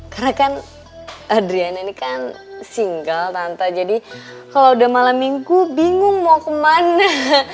karena kan adriana ini kan single tante jadi kalau udah malam minggu bingung mau kemana